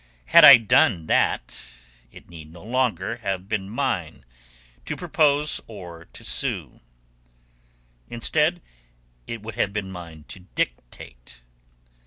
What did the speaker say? Had I done that it need no longer have been mine to propose or to sue. Instead it would have been mine to dictate.